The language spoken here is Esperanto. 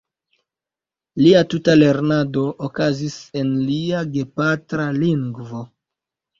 Lia tuta lernado okazis en lia gepatra lingvo.